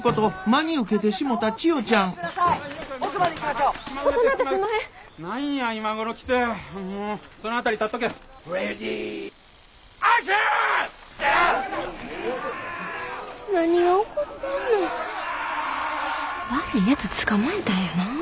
悪いやつ捕まえたんやな。